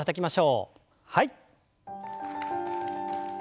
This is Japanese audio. はい。